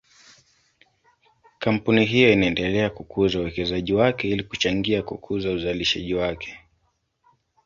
Kampuni hiyo inaendelea kukuza uwekezaji wake ili kuchangia kukuza uzalishaji wake.